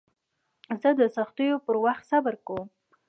زه د سختیو پر وخت صبر کوم.